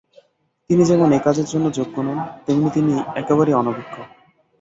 তিনি যেমন এ কাজের জন্য যোগ্য নন, তেমনি তিনি একেবারেই অনভিজ্ঞ।